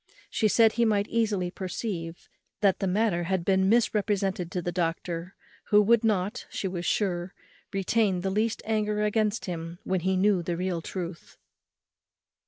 She said he might easily perceive that the matter had been misrepresented to the doctor, who would not, she was sure, retain the least anger against him when he knew the real truth.